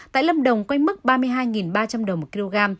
tại lâm đồng quay mức ba mươi hai ba trăm linh đồng một kg